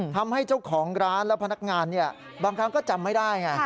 ทำให้เจ้าของร้านและพนักงานบางครั้งก็จำไม่ได้ไง